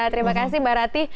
terima kasih mbak natty